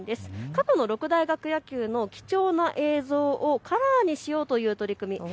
過去の六大学野球の貴重な映像をカラーにしようという取り組みです。